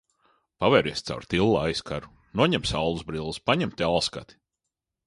Paveries caur tilla aizkaru, noņem saulesbrilles, paņem tālskati.